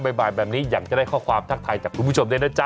บ่ายแบบนี้อยากจะได้ข้อความทักทายจากคุณผู้ชมด้วยนะจ๊